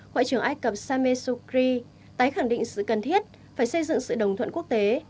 ngoại trưởng ai cập sameh sukri tái khẳng định sự cần thiết phải xây dựng sự đồng thuận quốc tế